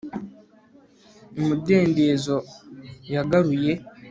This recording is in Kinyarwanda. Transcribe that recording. Umudendezo yagaruye